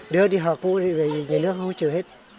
đứa đi học cũng vì nghỉ nước hỗ trợ hết